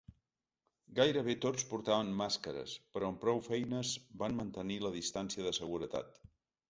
Gairebé tots portaven màscares, però amb prou feines van mantenir la distància de seguretat.